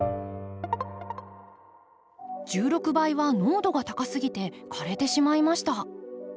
１６倍は濃度が高すぎて枯れてしまいました。